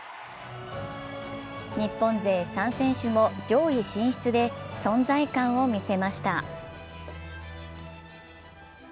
日本勢３選手も上位進出で存在感を見せました。